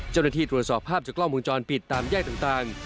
เจ้าหน้าที่ตรวจสอบภาพจากกล้องวงจรปิดตามแยกต่าง